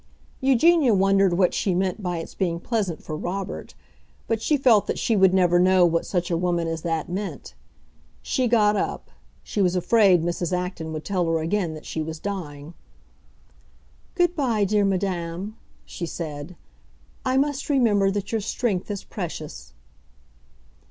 Eugenia wondered what she meant by its being pleasant for Robert; but she felt that she would never know what such a woman as that meant. She got up; she was afraid Mrs. Acton would tell her again that she was dying. "Good bye, dear madam," she said. "I must remember that your strength is precious."